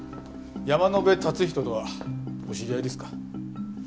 山野辺達仁とはお知り合いですか？